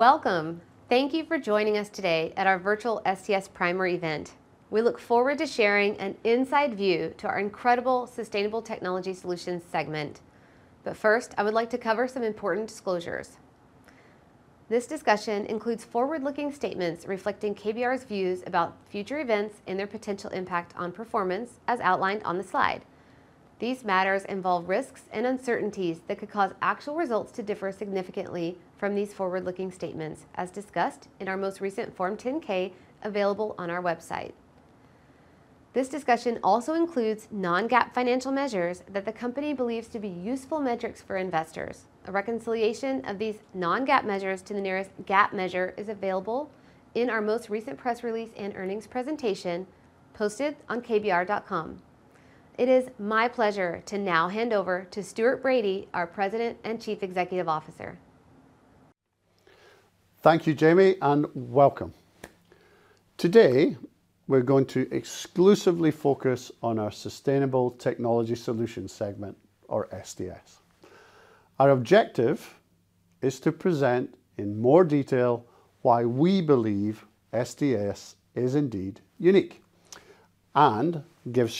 Welcome. Thank you for joining us today at our virtual STS Primary event. We look forward to sharing an inside view to our incredible Sustainable Technology Solutions segment, but first I would like to cover some important disclosures. This discussion includes forward-looking statements reflecting KBR's views about future events and their potential impact on performance, as outlined on the slide. These matters involve risks and uncertainties that could cause actual results to differ significantly from these forward-looking statements, as discussed in our most recent Form 10-K available on our website. This discussion also includes non-GAAP financial measures that the company believes to be useful metrics for investors. A reconciliation of these non-GAAP measures to the nearest GAAP measure is available in our most recent press release and earnings presentation posted on kbr.com. It is my pleasure to now hand over to Stuart Bradie, our President and Chief Executive Officer. Thank you, Jamie, and welcome. Today we're going to exclusively focus on our Sustainable Technology Solutions segment, or STS. Our objective is to present in more detail why we believe STS is indeed unique and gives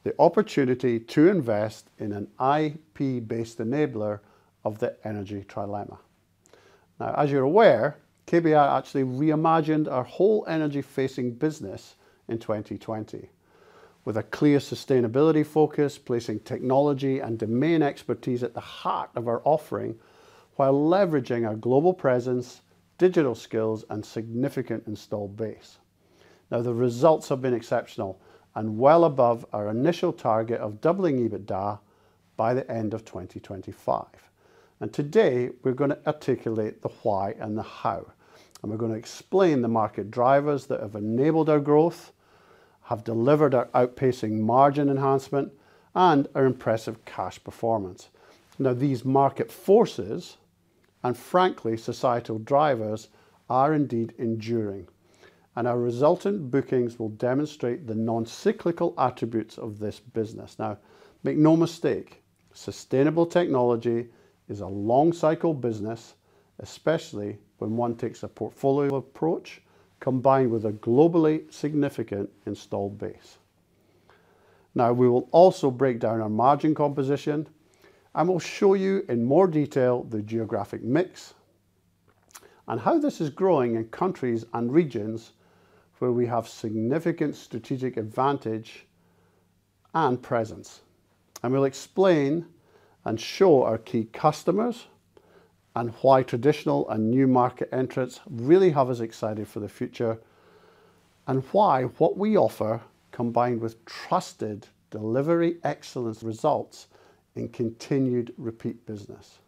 shareholders the opportunity to invest in an IP-based enabler of the energy trilemma. Now, as you're aware, KBR actually reimagined our whole energy-facing business in 2020, with a clear sustainability focus, placing technology and domain expertise at the heart of our offering while leveraging our global presence, digital skills, and significant installed base. Now, the results have been exceptional and well above our initial target of doubling EBITDA by the end of 2025. Today we're going to articulate the why and the how, and we're going to explain the market drivers that have enabled our growth, have delivered our outpacing margin enhancement, and our impressive cash performance. Now, these market forces and, frankly, societal drivers are indeed enduring, and our resultant bookings will demonstrate the non-cyclical attributes of this business. Now, make no mistake, sustainable technology is a long-cycle business, especially when one takes a portfolio approach combined with a globally significant installed base. Now, we will also break down our margin composition, and we'll show you in more detail the geographic mix and how this is growing in countries and regions where we have significant strategic advantage and presence. We'll explain and show our key customers and why traditional and new market entrants really have us excited for the future, and why what we offer, combined with trusted delivery excellence, results in continued repeat business.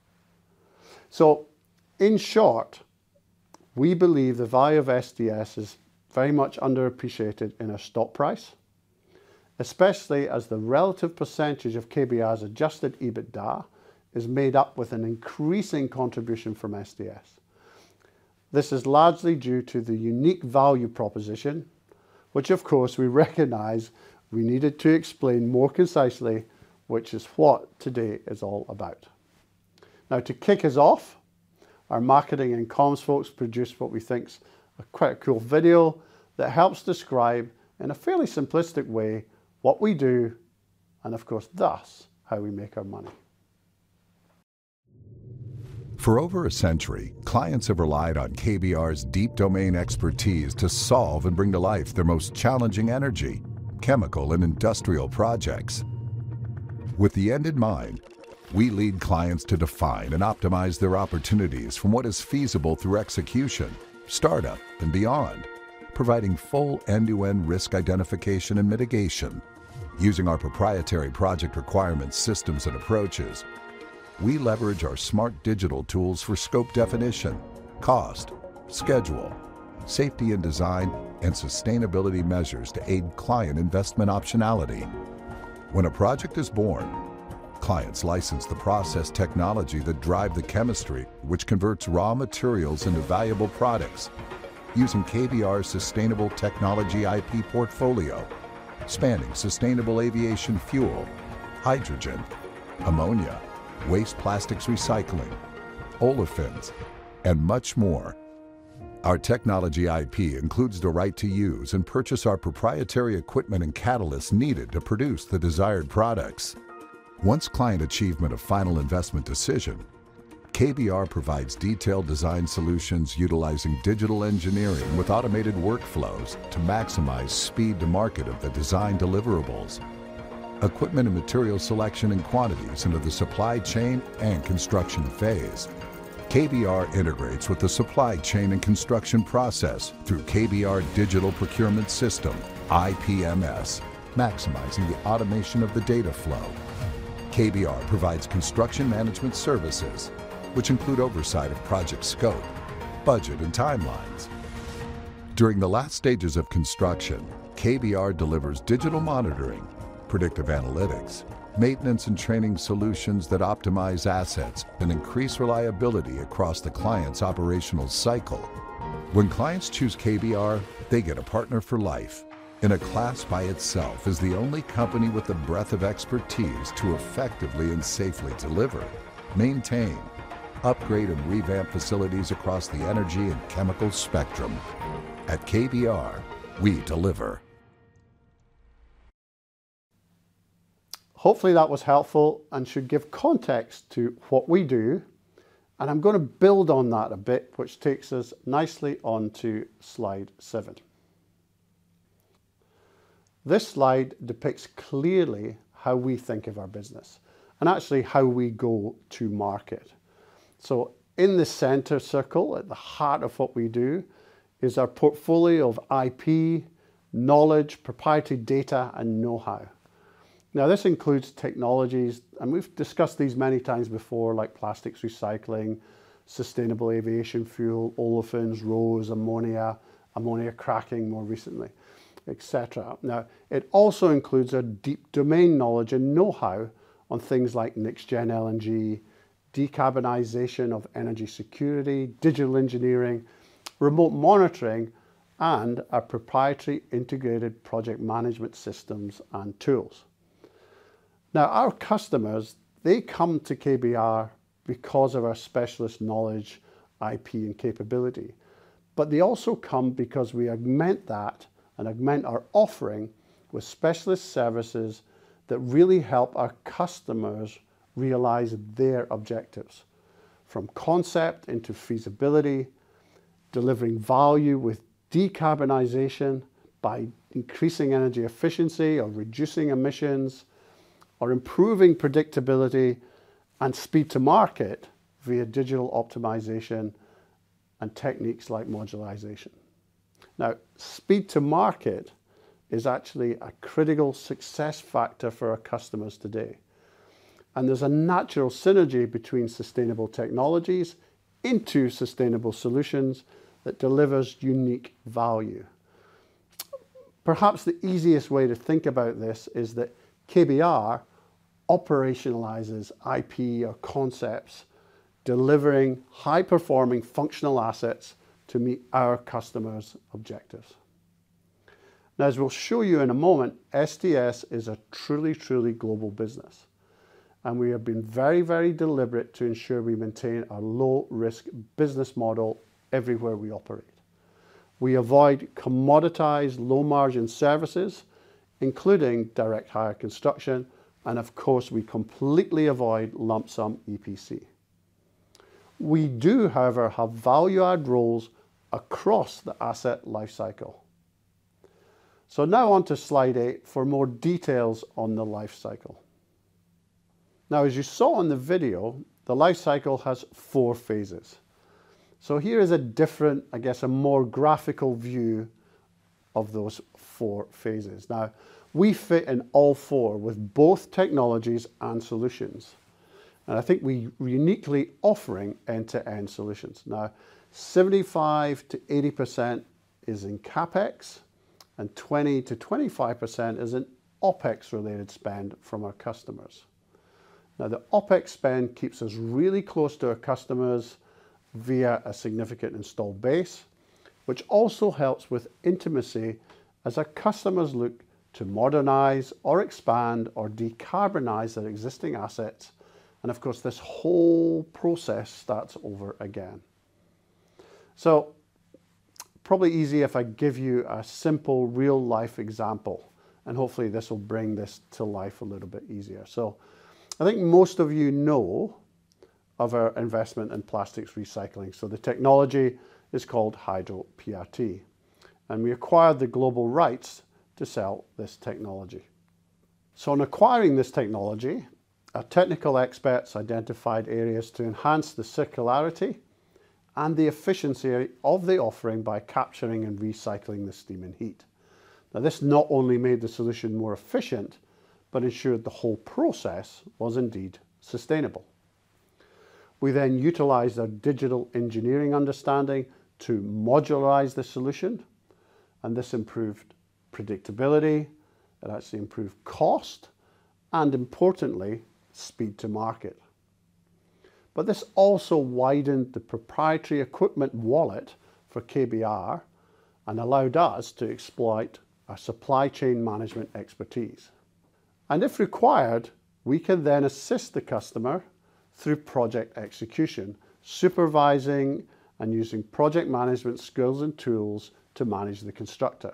So, in short, we believe the value of STS is very much underappreciated in our stock price, especially as the relative percentage of KBR's Adjusted EBITDA is made up with an increasing contribution from STS. This is largely due to the unique value proposition, which, of course, we recognize we needed to explain more concisely, which is what today is all about. Now, to kick us off, our marketing and comms folks produced what we think's a quite cool video that helps describe in a fairly simplistic way what we do and, of course, thus, how we make our money. For over a century, clients have relied on KBR's deep domain expertise to solve and bring to life their most challenging energy, chemical, and industrial projects. With the end in mind, we lead clients to define and optimize their opportunities from what is feasible through execution, startup, and beyond, providing full end-to-end risk identification and mitigation. Using our proprietary project requirements, systems, and approaches, we leverage our smart digital tools for scope definition, cost, schedule, safety and design, and sustainability measures to aid client investment optionality. When a project is born, clients license the process technology that drives the chemistry, which converts raw materials into valuable products, using KBR's Sustainable Technology IP portfolio, spanning sustainable aviation fuel, hydrogen, ammonia, waste plastics recycling, olefins, and much more. Our technology IP includes the right to use and purchase our proprietary equipment and catalysts needed to produce the desired products. Once client achievement of final investment decision, KBR provides detailed design solutions utilizing digital engineering with automated workflows to maximize speed to market of the design deliverables, equipment and material selection and quantities into the supply chain and construction phase. KBR integrates with the supply chain and construction process through KBR Digital Procurement System, IPMS, maximizing the automation of the data flow. KBR provides construction management services, which include oversight of project scope, budget, and timelines. During the last stages of construction, KBR delivers digital monitoring, predictive analytics, maintenance, and training solutions that optimize assets and increase reliability across the client's operational cycle. When clients choose KBR, they get a partner for life, and a class by itself is the only company with the breadth of expertise to effectively and safely deliver, maintain, upgrade, and revamp facilities across the energy and chemical spectrum. At KBR, we deliver. Hopefully, that was helpful and should give context to what we do. I'm going to build on that a bit, which takes us nicely onto slide 7. This slide depicts clearly how we think of our business and, actually, how we go to market. In the center circle, at the heart of what we do, is our portfolio of IP, knowledge, proprietary data, and know-how. Now, this includes technologies, and we've discussed these many times before, like plastics recycling, sustainable aviation fuel, olefins, ROSE, ammonia, ammonia cracking more recently, etc. Now, it also includes our deep domain knowledge and know-how on things like next-gen LNG, decarbonization of energy security, digital engineering, remote monitoring, and our proprietary integrated project management systems and tools. Now, our customers, they come to KBR because of our specialist knowledge, IP, and capability. But they also come because we augment that and augment our offering with specialist services that really help our customers realize their objectives, from concept into feasibility, delivering value with decarbonization by increasing energy efficiency or reducing emissions, or improving predictability and speed to market via digital optimization and techniques like modelisation. Now, speed to market is actually a critical success factor for our customers today. There's a natural synergy between sustainable technologies into sustainable solutions that delivers unique value. Perhaps the easiest way to think about this is that KBR operationalizes IP or concepts, delivering high-performing functional assets to meet our customers' objectives. Now, as we'll show you in a moment, STS is a truly, truly global business. We have been very, very deliberate to ensure we maintain our low-risk business model everywhere we operate. We avoid commoditized, low-margin services, including direct hire construction, and, of course, we completely avoid lump-sum EPC. We do, however, have value-add roles across the asset lifecycle. So now onto slide 8 for more details on the lifecycle. Now, as you saw in the video, the lifecycle has four phases. So here is a different, I guess, a more graphical view of those four phases. Now, we fit in all four with both technologies and solutions. And I think we're uniquely offering end-to-end solutions. Now, 75%-80% is in CapEx, and 20%-25% is in OpEx-related spend from our customers. Now, the OpEx spend keeps us really close to our customers via a significant installed base, which also helps with intimacy as our customers look to modernize or expand or decarbonize their existing assets. And, of course, this whole process starts over again. Probably easy if I give you a simple, real-life example, and hopefully this will bring this to life a little bit easier. I think most of you know of our investment in plastics recycling. The technology is called Hydro-PRT. We acquired the global rights to sell this technology. In acquiring this technology, our technical experts identified areas to enhance the circularity and the efficiency of the offering by capturing and recycling the steam and heat. Now, this not only made the solution more efficient but ensured the whole process was indeed sustainable. We then utilized our digital engineering understanding to modelise the solution, and this improved predictability. It actually improved cost and, importantly, speed to market. But this also widened the proprietary equipment wallet for KBR and allowed us to exploit our supply chain management expertise. If required, we can then assist the customer through project execution, supervising and using project management skills and tools to manage the constructor.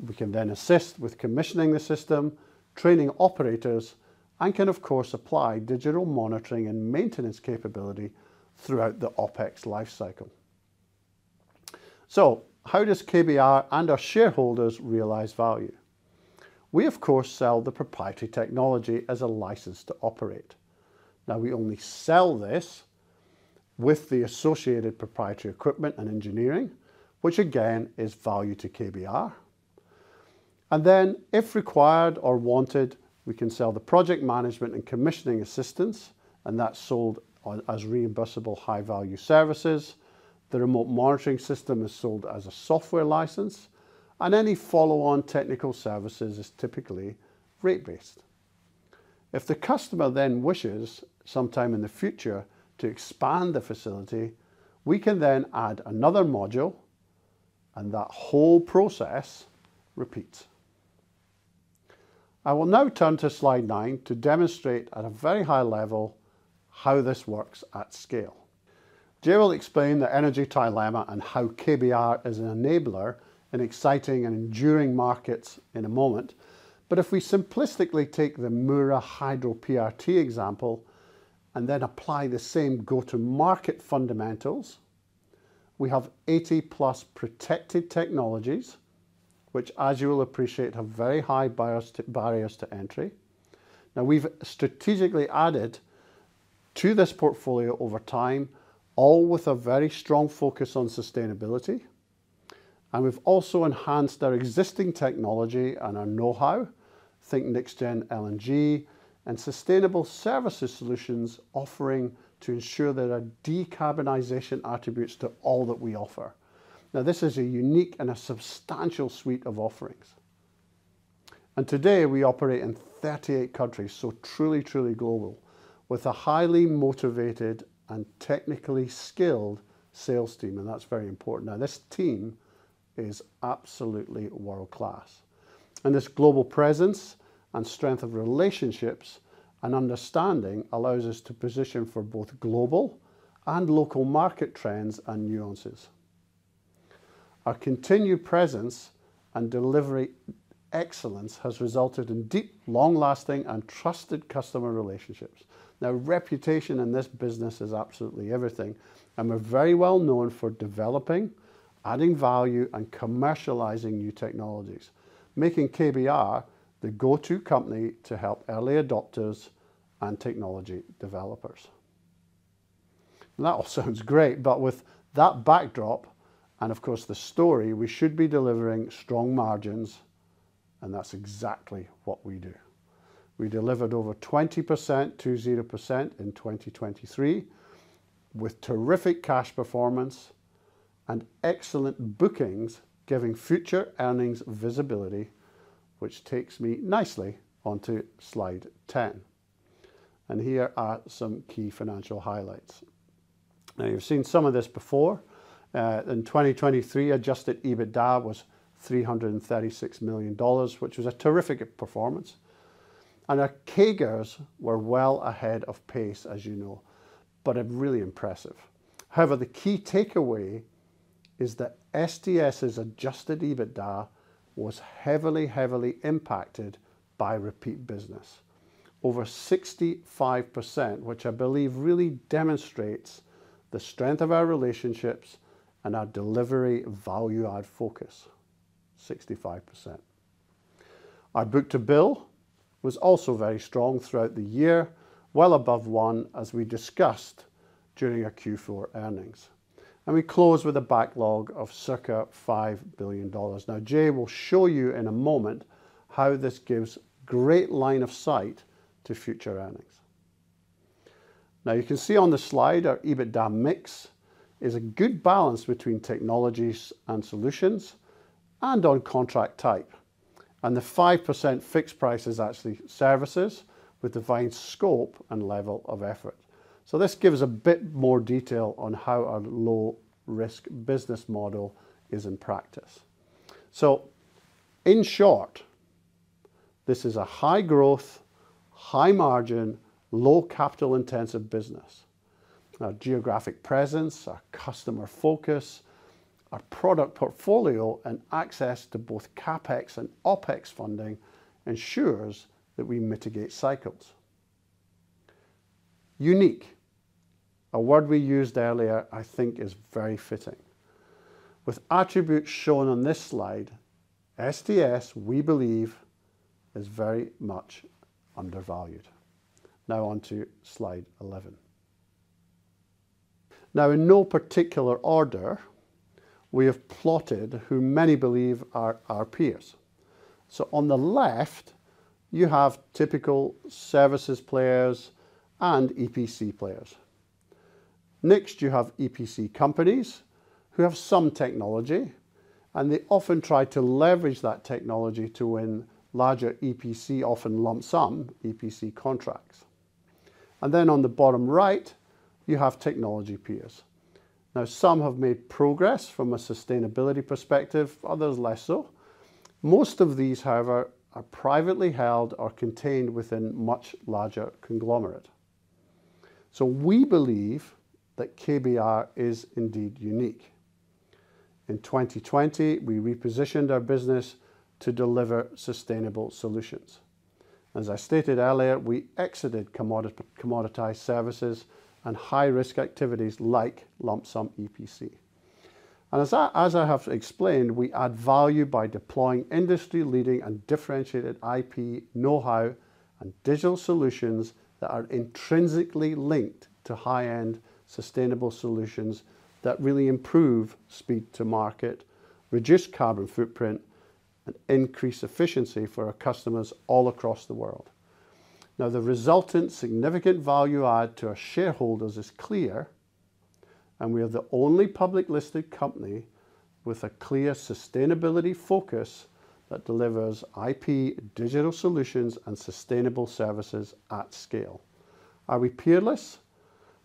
We can then assist with commissioning the system, training operators, and can, of course, apply digital monitoring and maintenance capability throughout the OpEx lifecycle. So how does KBR and our shareholders realize value? We, of course, sell the proprietary technology as a license to operate. Now, we only sell this with the associated proprietary equipment and engineering, which, again, is value to KBR. And then, if required or wanted, we can sell the project management and commissioning assistance, and that's sold as reimbursable high-value services. The remote monitoring system is sold as a software license, and any follow-on technical services are typically rate-based. If the customer then wishes sometime in the future to expand the facility, we can then add another module, and that whole process repeats. I will now turn to slide nine to demonstrate at a very high level how this works at scale. Jay will explain the energy trilemma and how KBR is an enabler in exciting and enduring markets in a moment. But if we simplistically take the Mura Hydro-PRT example and then apply the same go-to-market fundamentals, we have 80+ protected technologies, which, as you will appreciate, have very high barriers to entry. Now, we've strategically added to this portfolio over time, all with a very strong focus on sustainability. We've also enhanced our existing technology and our know-how, think next-gen LNG and sustainable services solutions offering to ensure there are decarbonization attributes to all that we offer. Now, this is a unique and a substantial suite of offerings. Today, we operate in 38 countries, so truly, truly global, with a highly motivated and technically skilled sales team, and that's very important. Now, this team is absolutely world-class. This global presence and strength of relationships and understanding allows us to position for both global and local market trends and nuances. Our continued presence and delivery excellence has resulted in deep, long-lasting, and trusted customer relationships. Now, reputation in this business is absolutely everything. We're very well known for developing, adding value, and commercializing new technologies, making KBR the go-to company to help early adopters and technology developers. That all sounds great, but with that backdrop and, of course, the story, we should be delivering strong margins, and that's exactly what we do. We delivered over 20% to 0% in 2023 with terrific cash performance and excellent bookings, giving future earnings visibility, which takes me nicely onto slide 10. Here are some key financial highlights. Now, you've seen some of this before. In 2023, adjusted EBITDA was $336 million, which was a terrific performance. Our CAGRs were well ahead of pace, as you know, but really impressive. However, the key takeaway is that STS's adjusted EBITDA was heavily, heavily impacted by repeat business, over 65%, which I believe really demonstrates the strength of our relationships and our delivery value-add focus: 65%. Our book-to-bill was also very strong throughout the year, well above 1%, as we discussed during our Q4 earnings. We close with a backlog of circa $5 billion. Now, Jay will show you in a moment how this gives a great line of sight to future earnings. Now, you can see on the slide, our EBITDA mix is a good balance between technologies and solutions and on contract type. The 5% fixed price is actually services with defined scope and level of effort. This gives a bit more detail on how our low-risk business model is in practice. In short, this is a high-growth, high-margin, low-capital-intensive business. Our geographic presence, our customer focus, our product portfolio, and access to both CapEx and OpEx funding ensure that we mitigate cycles. Unique, a word we used earlier, I think, is very fitting. With attributes shown on this slide, STS, we believe, is very much undervalued. Now onto slide 11. Now, in no particular order, we have plotted who many believe are our peers. On the left, you have typical services players and EPC players. Next, you have EPC companies who have some technology, and they often try to leverage that technology to win larger EPC, often lump-sum EPC, contracts. Then on the bottom right, you have technology peers. Now, some have made progress from a sustainability perspective, others less so. Most of these, however, are privately held or contained within much larger conglomerates. So we believe that KBR is indeed unique. In 2020, we repositioned our business to deliver sustainable solutions. And as I stated earlier, we exited commoditized services and high-risk activities like lump-sum EPC. And as I have explained, we add value by deploying industry-leading and differentiated IP, know-how, and digital solutions that are intrinsically linked to high-end sustainable solutions that really improve speed to market, reduce carbon footprint, and increase efficiency for our customers all across the world. Now, the resultant significant value-add to our shareholders is clear. We are the only publicly listed company with a clear sustainability focus that delivers IP, digital solutions, and sustainable services at scale. Are we peerless?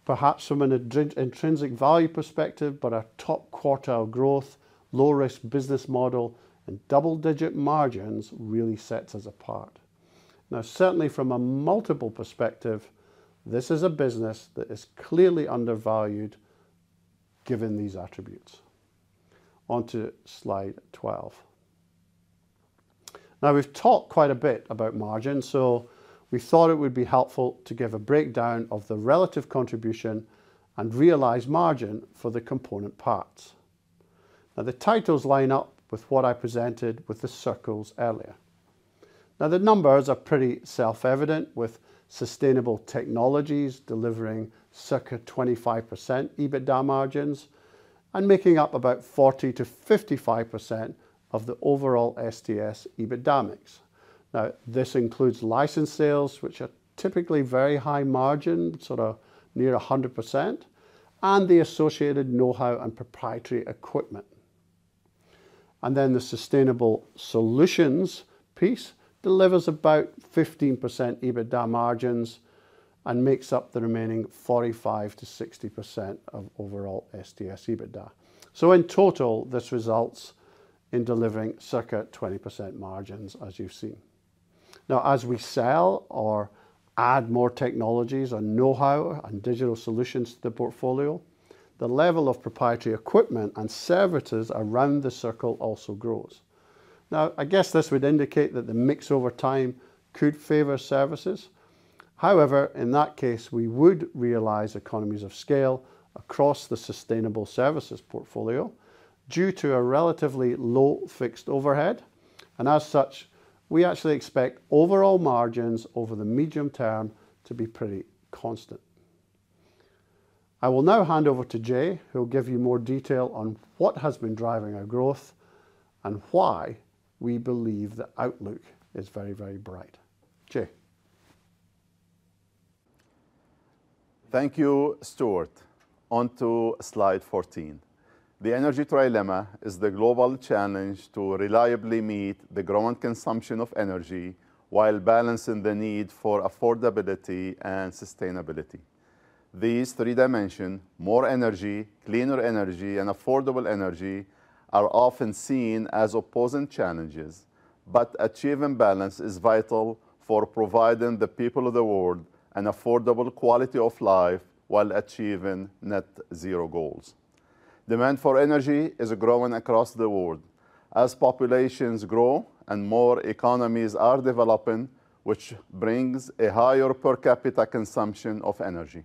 Perhaps from an intrinsic value perspective, but our top-quartile growth, low-risk business model, and double-digit margins really set us apart. Now, certainly, from a multiple perspective, this is a business that is clearly undervalued given these attributes. Onto slide 12. Now, we've talked quite a bit about margin, so we thought it would be helpful to give a breakdown of the relative contribution and realize margin for the component parts. Now, the titles line up with what I presented with the circles earlier. Now, the numbers are pretty self-evident, with sustainable technologies delivering circa 25% EBITDA margins and making up about 40%-55% of the overall STS EBITDA mix. Now, this includes license sales, which are typically very high-margin, sort of near 100%, and the associated know-how and proprietary equipment. And then the sustainable solutions piece delivers about 15% EBITDA margins and makes up the remaining 45%-60% of overall STS EBITDA. So in total, this results in delivering circa 20% margins, as you've seen. Now, as we sell or add more technologies and know-how and digital solutions to the portfolio, the level of proprietary equipment and services around the circle also grows. Now, I guess this would indicate that the mix over time could favor services. However, in that case, we would realize economies of scale across the sustainable services portfolio due to a relatively low fixed overhead. And as such, we actually expect overall margins over the medium term to be pretty constant. I will now hand over to Jay, who'll give you more detail on what has been driving our growth and why we believe the outlook is very, very bright. Jay. Thank you, Stuart. Onto slide 14. The energy trilemma is the global challenge to reliably meet the growing consumption of energy while balancing the need for affordability and sustainability. These three dimensions, more energy, cleaner energy, and affordable energy, are often seen as opposing challenges, but achieving balance is vital for providing the people of the world an affordable quality of life while achieving net-zero goals. Demand for energy is growing across the world. As populations grow and more economies are developing, which brings a higher per capita consumption of energy.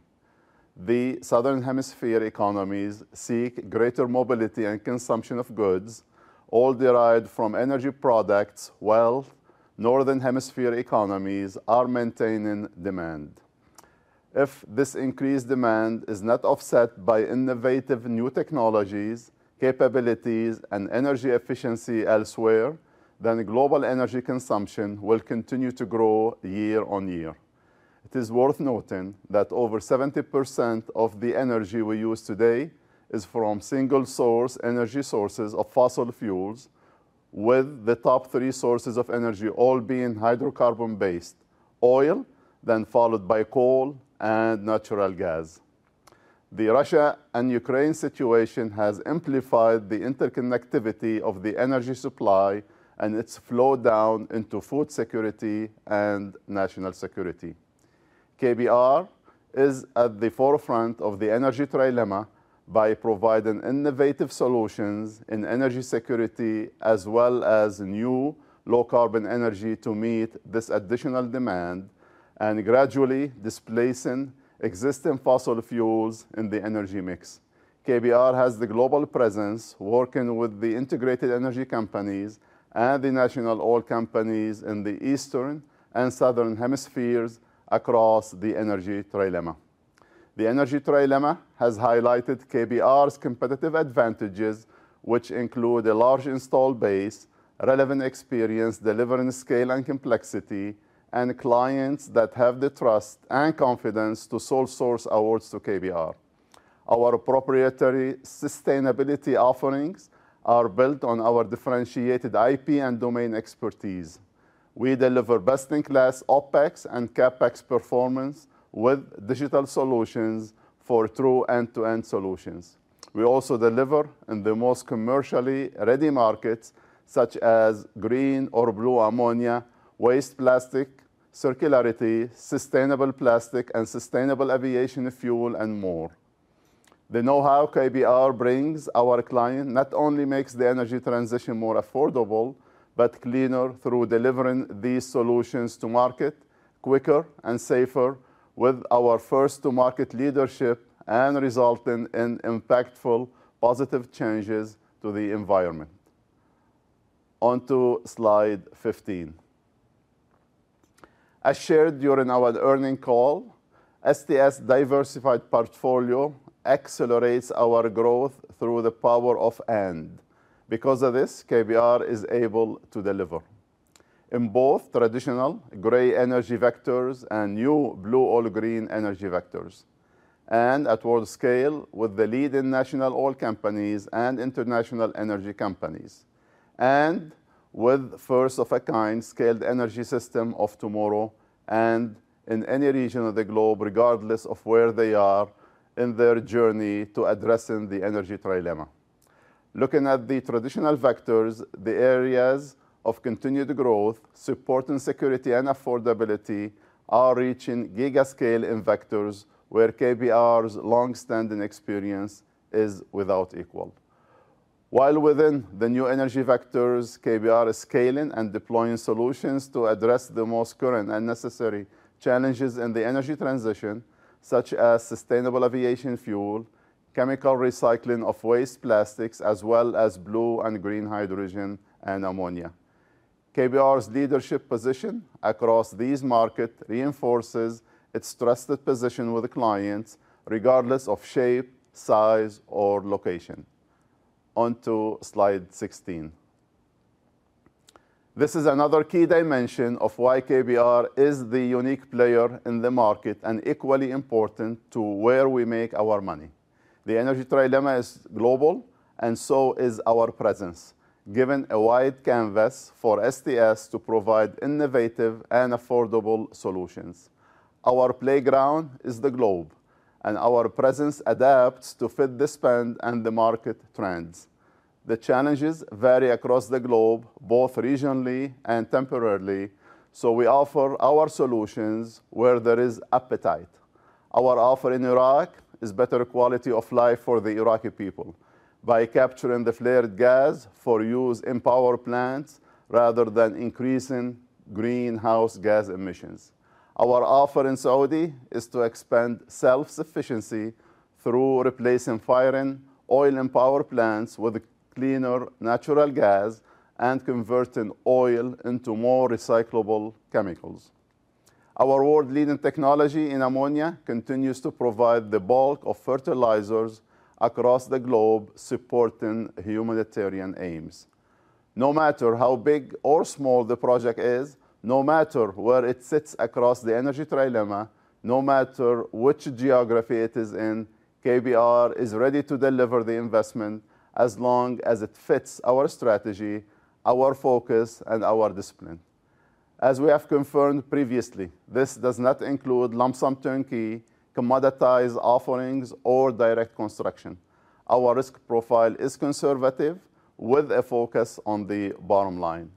The Southern Hemisphere economies seek greater mobility and consumption of goods, all derived from energy products, while Northern Hemisphere economies are maintaining demand. If this increased demand is not offset by innovative new technologies, capabilities, and energy efficiency elsewhere, then global energy consumption will continue to grow year on year. It is worth noting that over 70% of the energy we use today is from single-source energy sources of fossil fuels, with the top three sources of energy all being hydrocarbon-based: oil, then followed by coal and natural gas. The Russia and Ukraine situation has amplified the interconnectivity of the energy supply and its flow down into food security and national security. KBR is at the forefront of the energy trilemma by providing innovative solutions in energy security as well as new low-carbon energy to meet this additional demand and gradually displacing existing fossil fuels in the energy mix. KBR has the global presence, working with the integrated energy companies and the national oil companies in the Eastern and Southern Hemispheres across the energy trilemma. The energy trilemma has highlighted KBR's competitive advantages, which include a large installed base, relevant experience, delivering scale and complexity, and clients that have the trust and confidence to source our works to KBR. Our proprietary sustainability offerings are built on our differentiated IP and domain expertise. We deliver best-in-class OpEx and CapEx performance with digital solutions for true end-to-end solutions. We also deliver in the most commercially ready markets, such as green or blue ammonia, waste plastic, circularity, sustainable plastic, and sustainable aviation fuel, and more. The know-how KBR brings our clients not only makes the energy transition more affordable but cleaner through delivering these solutions to market quicker and safer, with our first-to-market leadership resulting in impactful positive changes to the environment. Onto Slide 15. As shared during our earnings call, STS' diversified portfolio accelerates our growth through the power of "and." Because of this, KBR is able to deliver in both traditional grey energy vectors and new blue/all-green energy vectors, and at world scale with the leading national oil companies and international energy companies, and with the first-of-a-kind scaled energy system of tomorrow and in any region of the globe, regardless of where they are in their journey to addressing the energy trilemma. Looking at the traditional vectors, the areas of continued growth, supporting security, and affordability are reaching gigascale in vectors where KBR's longstanding experience is without equal. While within the new energy vectors, KBR is scaling and deploying solutions to address the most current and necessary challenges in the energy transition, such as sustainable aviation fuel, chemical recycling of waste plastics, as well as blue and green hydrogen and ammonia. KBR's leadership position across these markets reinforces its trusted position with clients, regardless of shape, size, or location. Onto slide 16. This is another key dimension of why KBR is the unique player in the market and equally important to where we make our money. The energy trilemma is global, and so is our presence, giving a wide canvas for STS to provide innovative and affordable solutions. Our playground is the globe, and our presence adapts to fit the spend and the market trends. The challenges vary across the globe, both regionally and temporarily, so we offer our solutions where there is appetite. Our offer in Iraq is better quality of life for the Iraqi people by capturing the flared gas for use in power plants rather than increasing greenhouse gas emissions. Our offer in Saudi is to expand self-sufficiency through replacing firing oil in power plants with cleaner natural gas and converting oil into more recyclable chemicals. Our world-leading technology in ammonia continues to provide the bulk of fertilizers across the globe, supporting humanitarian aims. No matter how big or small the project is, no matter where it sits across the energy trilemma, no matter which geography it is in, KBR is ready to deliver the investment as long as it fits our strategy, our focus, and our discipline. As we have confirmed previously, this does not include lump-sum turnkey, commoditized offerings, or direct construction. Our risk profile is conservative, with a focus on the bottom line.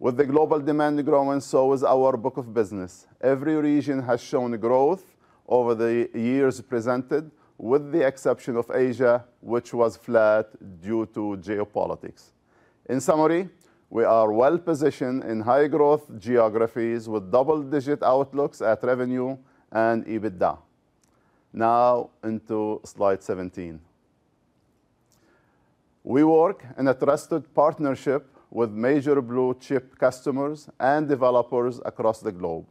With the global demand growing, so is our book of business. Every region has shown growth over the years presented, with the exception of Asia, which was flat due to geopolitics. In summary, we are well-positioned in high-growth geographies with double-digit outlooks at revenue and EBITDA. Now onto slide 17. We work in a trusted partnership with major blue-chip customers and developers across the globe.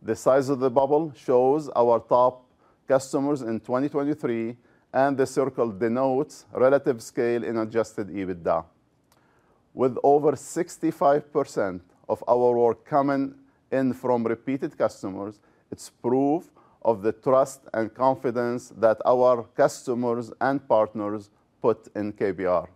The size of the bubble shows our top customers in 2023, and the circle denotes relative scale in adjusted EBITDA. With over 65% of our work coming in from repeated customers, it's proof of the trust and confidence that our customers and partners put in KBR.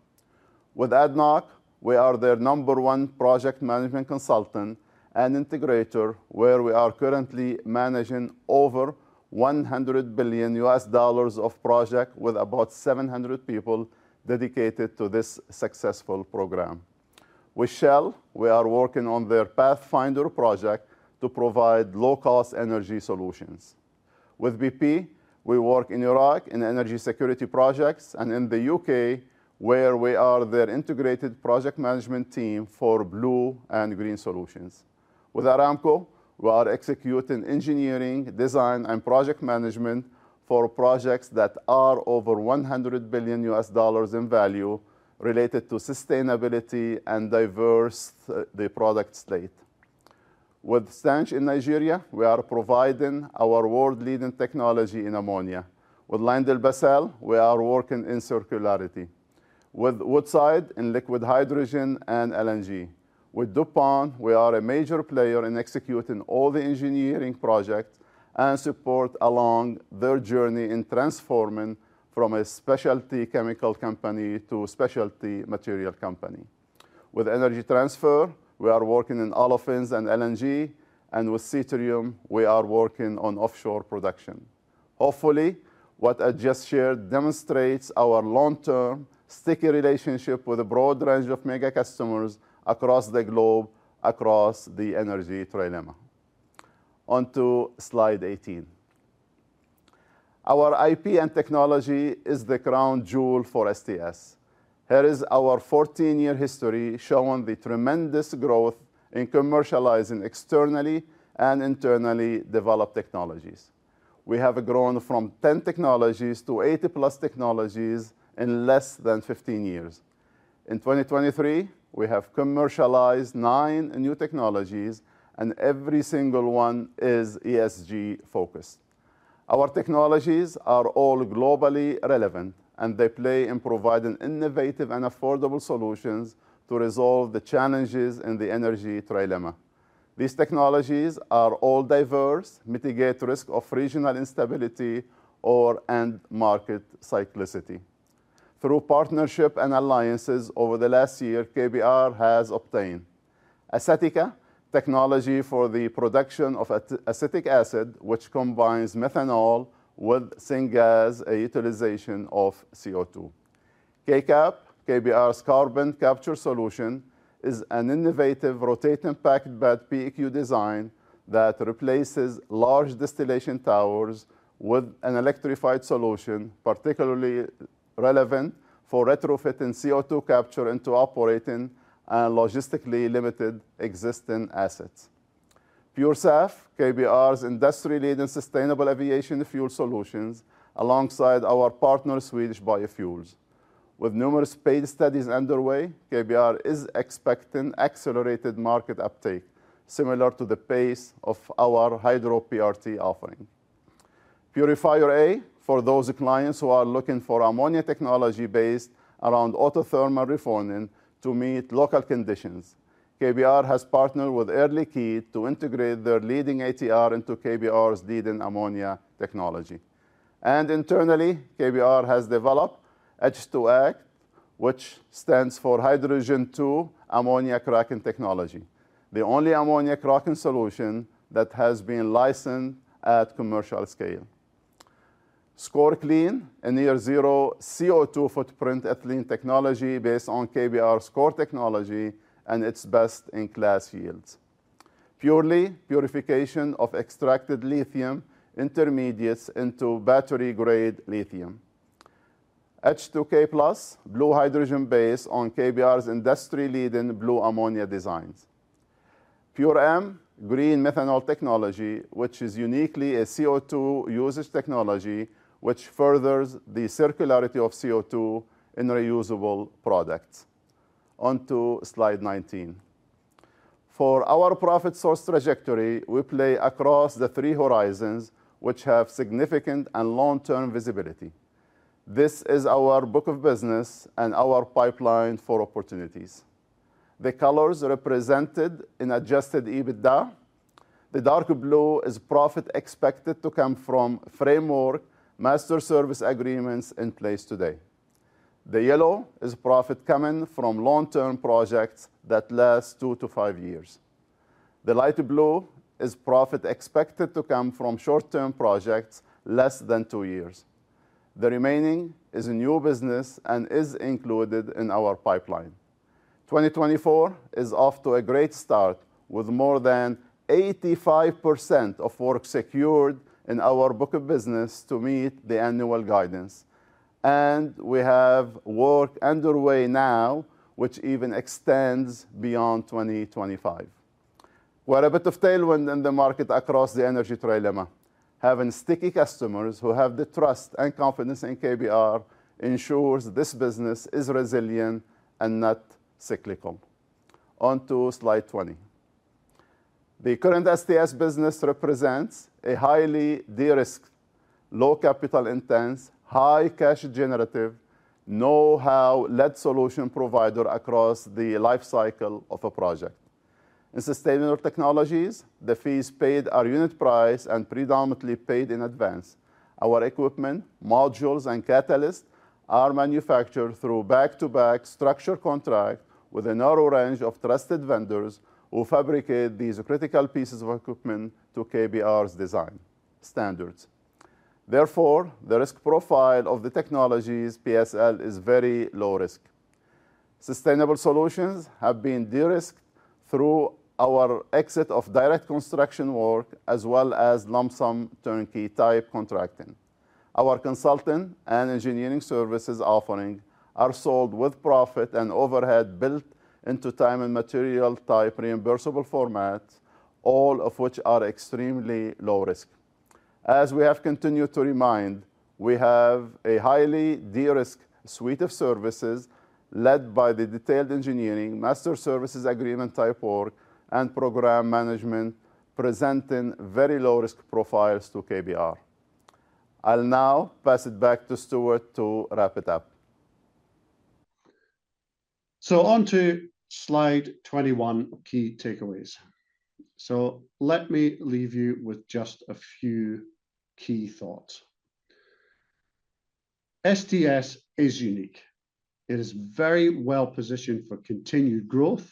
With ADNOC, we are their number one project management consultant and integrator, where we are currently managing over $100 billion of projects with about 700 people dedicated to this successful program. With Shell, we are working on their Pathfinder project to provide low-cost energy solutions. With BP, we work in Iraq in energy security projects and in the U.K., where we are their integrated project management team for blue and green solutions. With Aramco, we are executing engineering, design, and project management for projects that are over $100 billion in value related to sustainability and diverse the product slate. With Stange in Nigeria, we are providing our world-leading technology in ammonia. With LyondellBasell, we are working in circularity. With Woodside, in liquid hydrogen and LNG. With DuPont, we are a major player in executing all the engineering projects and support along their journey in transforming from a specialty chemical company to specialty material company. With Energy Transfer, we are working in olefins and LNG, and with Seatrium, we are working on offshore production. Hopefully, what I just shared demonstrates our long-term, sticky relationship with a broad range of mega-customers across the globe, across the energy trilemma. Onto slide 18. Our IP and technology is the crown jewel for STS. Here is our 14-year history showing the tremendous growth in commercializing externally and internally developed technologies. We have grown from 10 technologies to 80+ technologies in less than 15 years. In 2023, we have commercialized nine new technologies, and every single one is ESG-focused. Our technologies are all globally relevant, and they play in providing innovative and affordable solutions to resolve the challenges in the energy trilemma. These technologies are all diverse, mitigate the risk of regional instability and market cyclicity. Through partnerships and alliances over the last year, KBR has obtained: Acetica, technology for the production of acetic acid, which combines methanol with syngas utilization of CO2. KCAP, KBR's carbon capture solution, is an innovative rotating packed bed design that replaces large distillation towers with an electrified solution, particularly relevant for retrofitting CO2 capture into operating and logistically limited existing assets. PureSAF, KBR's industry-leading sustainable aviation fuel solutions, alongside our partner Swedish Biofuels. With numerous paid studies underway, KBR is expecting accelerated market uptake, similar to the pace of our Hydro-PRT offering. Purifier, for those clients who are looking for ammonia technology-based around autothermal reforming to meet local conditions, KBR has partnered with Topsoe to integrate their leading ATR into KBR's leading ammonia technology. Internally, KBR has developed H2ACT, which stands for Hydrogen-2 Ammonia Cracking Technology, the only ammonia cracking solution that has been licensed at commercial scale. SCOREKlean, a near-zero CO2 footprint ethylene technology based on KBR's core technology and its best-in-class yields. PureLi, purification of extracted lithium intermediates into battery-grade lithium. H2K, blue hydrogen based on KBR's industry-leading blue ammonia designs. PureM, green methanol technology, which is uniquely a CO2 usage technology that furthers the circularity of CO2 in reusable products. Onto slide 19. For our profit-source trajectory, we play across the three horizons, which have significant and long-term visibility. This is our book of business and our pipeline for opportunities. The colors represented in Adjusted EBITDA: the dark blue is profit expected to come from framework master service agreements in place today. The yellow is profit coming from long-term projects that last 2-5 years. The light blue is profit expected to come from short-term projects less than 2 years. The remaining is new business and is included in our pipeline. 2024 is off to a great start, with more than 85% of work secured in our book of business to meet the annual guidance. We have work underway now, which even extends beyond 2025. We are a bit of tailwind in the market across the energy trilemma. Having sticky customers who have the trust and confidence in KBR ensures this business is resilient and not cyclical. Onto slide 20. The current STS business represents a highly de-risked, low-capital-intense, high-cash-generative, know-how-led solution provider across the lifecycle of a project. In sustainable technologies, the fees paid are unit price and predominantly paid in advance. Our equipment, modules, and catalysts are manufactured through back-to-back structure contracts with a narrow range of trusted vendors who fabricate these critical pieces of equipment to KBR's design standards. Therefore, the risk profile of the technologies PSL is very low-risk. Sustainable solutions have been de-risked through our exit of direct construction work as well as lump-sum turnkey type contracting. Our consulting and engineering services offerings are sold with profit and overhead built into time and material type reimbursable formats, all of which are extremely low-risk. As we have continued to remind, we have a highly de-risked suite of services led by the detailed engineering master services agreement type work and program management presenting very low-risk profiles to KBR. I'll now pass it back to Stuart to wrap it up. So onto slide 21, key takeaways. So let me leave you with just a few key thoughts. STS is unique. It is very well-positioned for continued growth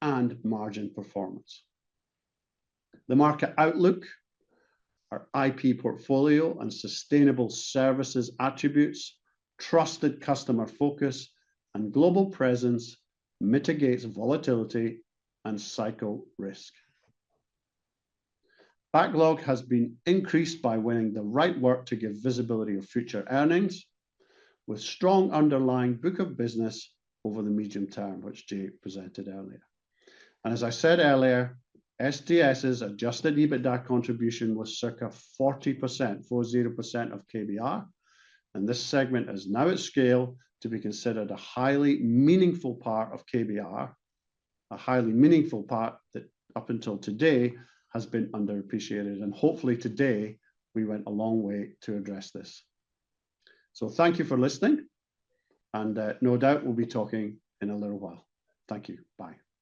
and margin performance. The market outlook, our IP portfolio and sustainable services attributes, trusted customer focus, and global presence mitigate volatility and cycle risk. Backlog has been increased by winning the right work to give visibility of future earnings, with strong underlying book of business over the medium term, which Jay presented earlier. And as I said earlier, STS's Adjusted EBITDA contribution was circa 40%, 40% of KBR. And this segment is now at scale to be considered a highly meaningful part of KBR, a highly meaningful part that up until today has been underappreciated. And hopefully today we went a long way to address this. So thank you for listening. And no doubt we'll be talking in a little while. Thank you. Bye.